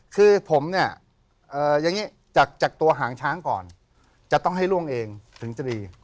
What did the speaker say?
คือผมเนี่ยอย่างนี้จากตัวหางช้างก่อนจะต้องให้ล่วงเองถึงจะดี